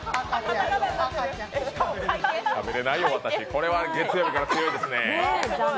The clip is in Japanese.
これは月曜日から強いですね。